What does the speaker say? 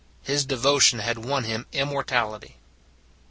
His devotion had won him immortality.